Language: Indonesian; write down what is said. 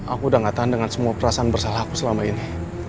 aku udah gak tahan dengan semua perasaan bersalah aku selama ini